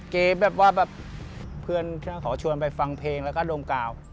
เก๋แบบว่าแบบเพื่อนก็ขอชวนไปฟังเพลงแล้วก็ดมกล่าว